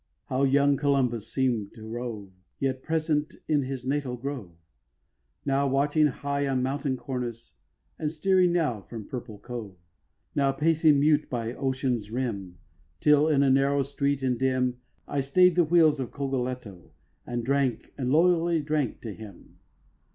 How young Columbus seem'd to rove, Yet present in his natal grove, Now watching high on mountain cornice, And steering, now, from a purple cove, Now pacing mute by ocean's rim; Till, in a narrow street and dim, I stay'd the wheels at Cogoletto, And drank, and loyally drank to him.